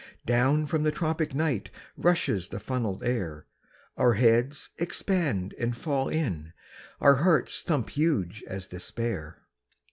"Down from the tropic night Rushes the funnelled air; Our heads expand and fall in; Our hearts thump huge as despair.